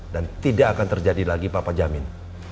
dan tidak akan terjadi lagi papa jamin